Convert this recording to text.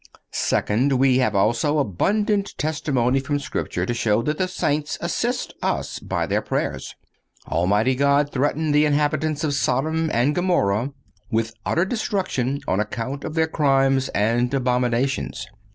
Second—We have, also, abundant testimony from Scripture to show that the saints assist us by their prayers. Almighty God threatened the inhabitants of Sodom and Gomorrha with utter destruction on account of their crimes and abominations.